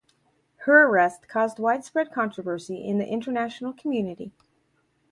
Her arrest caused widespread controversy in the international community.